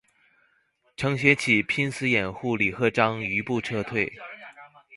程学启拼死掩护李鹤章余部撤退。